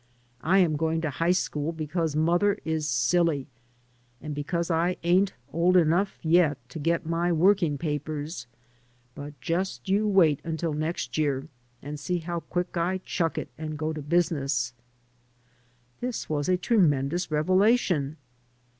I am going to high school because mother is silly and because I ain't old enough yet to get my working papers. But just you wait imtil next year, and see how quick I chuck it and go to business." This was a tremendous revelation.